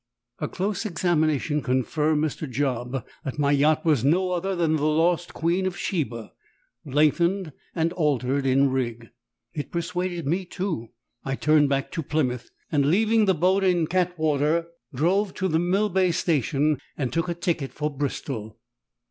A close examination confirmed Mr. Job that my yacht was no other than the lost Queen of Sheba, lengthened and altered in rig. It persuaded me, too. I turned back to Plymouth, and, leaving the boat in Cattewater, drove to the Millbay Station and took a ticket for Bristol.